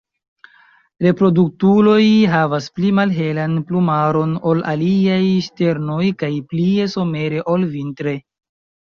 Reproduktuloj havas pli malhelan plumaron ol aliaj ŝternoj kaj plie somere ol vintre.